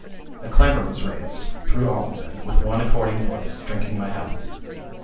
A clamour was raised, through all of them, with one according voice, drinking my health.